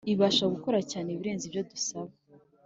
Ibasha gukora cyane iberenze ibyo dusaba